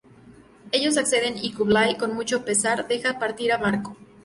Ellos acceden y Kublai, con mucho pesar, deja partir a Marco.